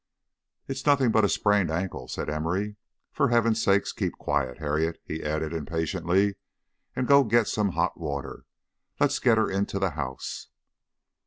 "It's nothing but a sprained ankle," said Emory. "For heaven's sake, keep quiet, Harriet," he added impatiently, "and go and get some hot water. Let's get her into the house."